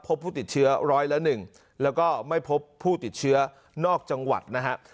พบผู้ติดเชื้อร้อยละ๑แล้วก็ไม่พบผู้ติดเชื้อนอกจังหวัดนะฮะ